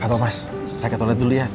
pak thomas saya ke toilet dulu ya